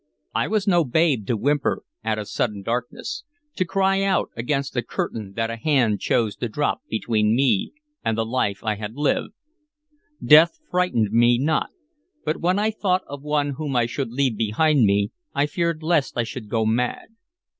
I was no babe to whimper at a sudden darkness, to cry out against a curtain that a Hand chose to drop between me and the life I had lived. Death frighted me not, but when I thought of one whom I should leave behind me I feared lest I should go mad.